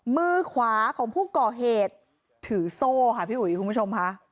มือขวาของผู้ก่อเหตุถือโซ่ค่ะพี่อุ๋ยคุณผู้ชมค่ะ